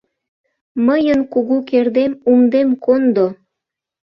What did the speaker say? — Мыйын кугу кердем, умдем кондо!